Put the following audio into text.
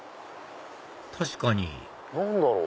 確かに何だろう？